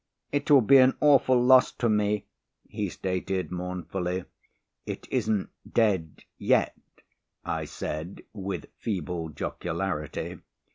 "It will be an awful loss to me," he stated mournfully. "It isn't dead yet," I said with feeble jocularity.